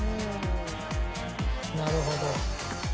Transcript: なるほど。